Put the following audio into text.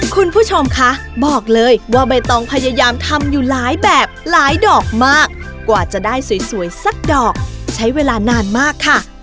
คุณผู้ชมคะบอกเลยว่าใบตองพยายามทำอยู่หลายแบบหลายดอกมากกว่าจะได้สวยสักดอกใช้เวลานานมากค่ะ